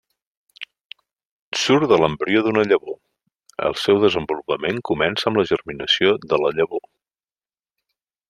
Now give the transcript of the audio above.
Surt de l'embrió d'una llavor, el seu desenvolupament comença amb la germinació de la llavor.